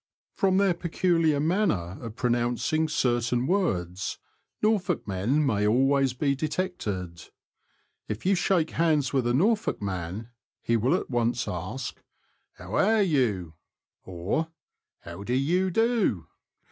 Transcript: From their pecuHar manner of pronouncing certain words, Norfolk men may always be detected. If you shake hands with a Norfolk man, he will at once ask: "How airyu?" or "How du yu du ?"